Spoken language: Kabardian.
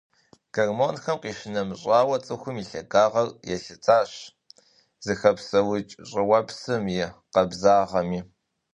Гормонхэм къищынэмыщӀауэ, цӀыхум и лъагагъэр елъытащ зыхэпсэукӀ щӀыуэпсым и къабзагъэми.